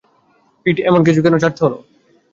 পিট কেন এমন কিছুতে জড়াতে গেল?